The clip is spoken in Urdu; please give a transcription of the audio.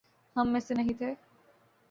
ہم میں سے نہیں تھے؟